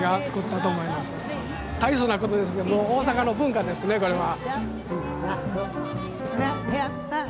たいそうなことですけど大阪の文化ですねこれは。